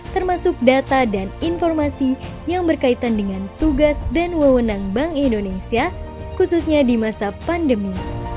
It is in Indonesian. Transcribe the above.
termasuk data dan informasi yang berkaitan dengan tugas dan wewenang bank indonesia khususnya di masa pandemi